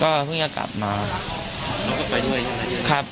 ก็เพิ่งจะกลับมาน้องก็ไปด้วยใช่ไหมครับ